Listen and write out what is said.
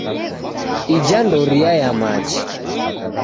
Ija ndoria ya machi